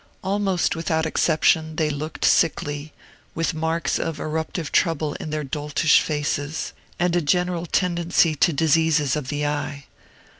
Almost without exception, they looked sickly, with marks of eruptive trouble in their doltish faces, and a general tendency to diseases of the eye.